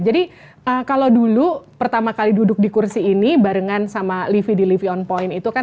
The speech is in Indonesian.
jadi kalau dulu pertama kali duduk di kursi ini barengan sama livi di livi on point itu kan